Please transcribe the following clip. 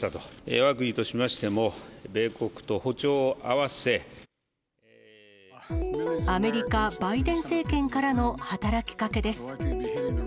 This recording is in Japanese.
わが国としましても、米国と歩調アメリカ、バイデン政権からの働きかけです。